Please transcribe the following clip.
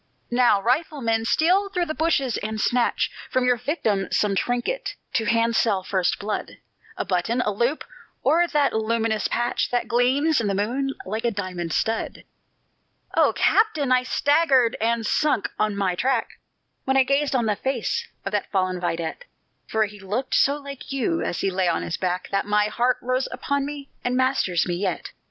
"Now, rifleman, steal through the bushes, and snatch From your victim some trinket to handsel first blood; A button, a loop, or that luminous patch That gleams in the moon like a diamond stud!" "O captain! I staggered, and sunk on my track, When I gazed on the face of that fallen vidette, For he looked so like you, as he lay on his back, That my heart rose upon me, and masters me yet.